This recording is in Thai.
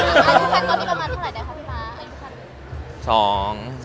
อายุขันตอนนี้เท่าไหร่ไงครับพี่ป๊าอายุขัน